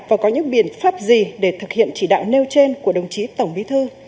và có những biện pháp gì để thực hiện chỉ đạo nêu trên của đồng chí tổng bí thư